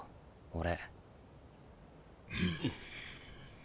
俺。